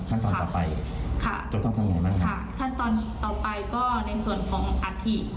ขั้นตอนต่อไปค่ะจะต้องทำไงบ้างค่ะขั้นตอนต่อไปก็ในส่วนของอาธิ